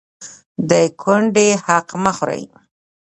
د کونډې حق مه خورئ